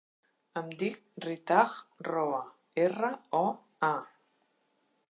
Em dic Ritaj Roa: erra, o, a.